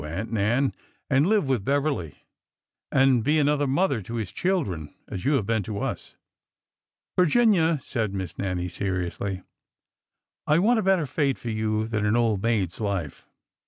Aunt Nan, and live with Beverly, and be another mother to his children, as you have been to us." Virginia," said Miss Nannie, seriously, " I want a better fate for you than an old maid's life.